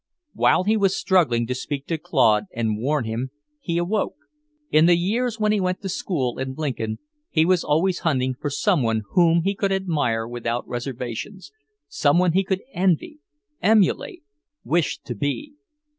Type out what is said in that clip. While he was struggling to speak to Claude, and warn him, he awoke. In the years when he went to school in Lincoln, he was always hunting for some one whom he could admire without reservations; some one he could envy, emulate, wish to be.